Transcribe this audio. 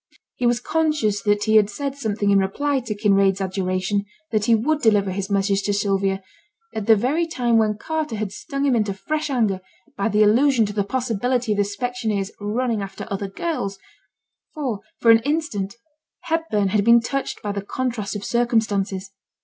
He was conscious that he had said something in reply to Kinraid's adjuration that he would deliver his message to Sylvia, at the very time when Carter had stung him into fresh anger by the allusion to the possibility of the specksioneer's 'running after other girls,' for, for an instant, Hepburn had been touched by the contrast of circumstances.